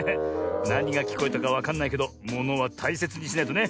なにがきこえたかわかんないけどものはたいせつにしないとね。